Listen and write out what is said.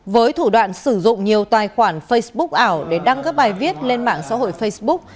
với thủ đoạn sử dụng nhiều tài khoản facebook ảo để đăng các bài viết lên mạng xã hội facebook